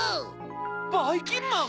ばいきんまん！